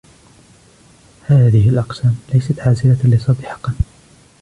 هذه الأقسام ليست عازلة للصوت حقًا